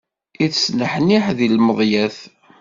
Isneḥniḥ deg lweḍyat.